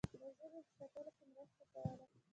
د ژبې په ساتلو کې مرسته کوله.